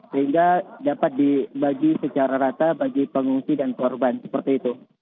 sehingga dapat dibagi secara rata bagi pengungsi dan korban seperti itu